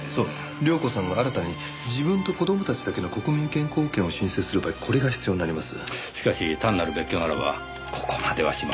亮子さんが新たに自分と子供たちだけの国民健康保険を申請する場合これが必要になります。